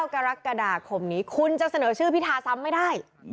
กรกฎาคมนี้คุณจะเสนอชื่อพิธาซ้ำไม่ได้